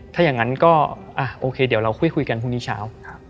ถ้าอย่างนั้นก็โอเคเดี๋ยวเราคุยกันพรุ่งนี้เช้า